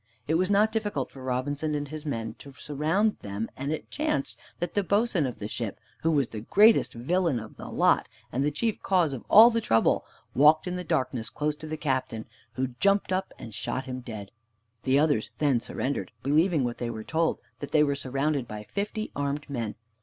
It was not difficult for Robinson and his men to surround them, and it chanced that the boatswain of the ship, who was the greatest villain of the lot, and the chief cause of all the trouble, walked in the darkness close to the Captain, who jumped up and shot him dead. The others then surrendered, believing what they were told, that they were surrounded by fifty armed men.